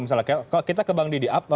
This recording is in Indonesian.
misalnya kalau kita ke bang didi